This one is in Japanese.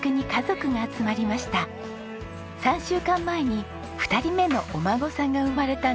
３週間前に２人目のお孫さんが生まれたんです。